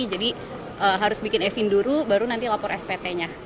jadi harus bikin evin dulu baru nanti lapor spt nya